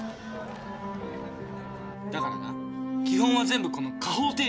だからな基本は全部この加法定理なんだよ。